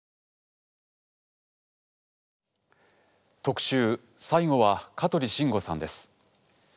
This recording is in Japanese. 特集最後は香取慎吾さんです。